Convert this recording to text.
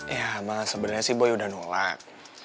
ya mama sebenernya sih boy udah nolak